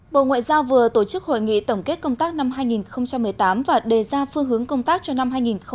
bộ ngoại giao vừa tổ chức hội nghị tổng kết công tác năm hai nghìn một mươi tám và đề ra phương hướng công tác cho năm hai nghìn một mươi chín